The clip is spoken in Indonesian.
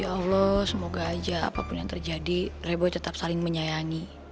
ya allah semoga aja apapun yang terjadi rebo tetap saling menyayangi